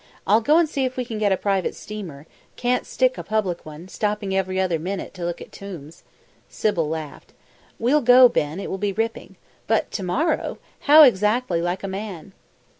I'll go and see if we can get a private steamer can't stick a public one, stopping every other minute to look at tombs!" Sybil laughed. "We'll go, Ben, it will be ripping. But to morrow! How exactly like a man!"